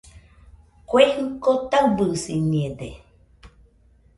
Kue jɨko taɨbɨsiñede